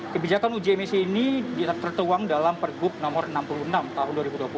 kebijakan uji emisi ini tertuang dalam pergub nomor enam puluh enam tahun dua ribu dua puluh